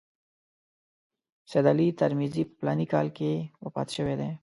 سید علي ترمذي په فلاني کال کې وفات شوی دی.